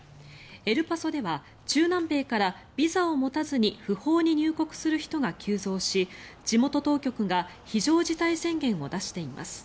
エルパソでは中南米からビザを持たずに不法に入国する人が急増し地元当局が非常事態宣言を出しています。